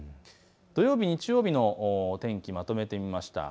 土曜日、日曜日の天気をまとめてみました。